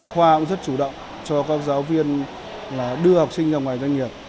khóa cũng rất chủ động cho các giáo viên đưa học sinh ra ngoài doanh nghiệp